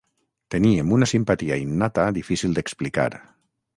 Teníem una simpatia innata difícil d'explicar.